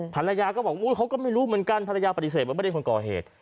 ภรรยาก็บอกเขาก็ไม่รู้เหมือนกันภรรยาปฏิเสธว่าไม่ได้คนก่อเหตุ